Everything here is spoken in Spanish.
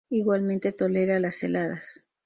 Igualmente tolera las heladas.